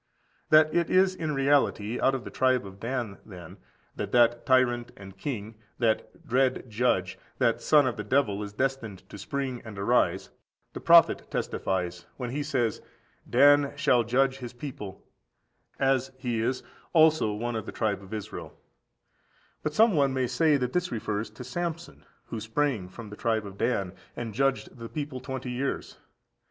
15. That it is in reality out of the tribe of Dan, then, that that tyrant and king, that dread judge, that son of the devil, is destined to spring and arise, the prophet testifies when he says, "Dan shall judge his people, as (he is) also one tribe in Israel."14341434 Gen. xlix. 16. But some one may say that this refers to Samson, who sprang from the tribe of Dan, and judged the people twenty years.